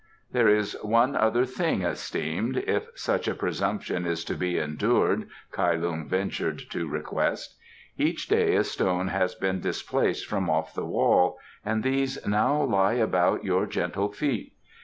"There is yet one other thing, esteemed, if such a presumption is to be endured," Kai Lung ventured to request. "Each day a stone has been displaced from off the wall and these now lie about your gentle feet.